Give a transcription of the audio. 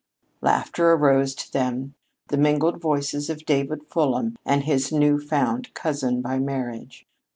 Laughter arose to them the mingled voices of David Fulham and his newfound cousin by marriage.